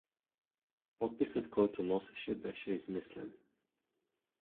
Подписът, който носеше, беше измислен.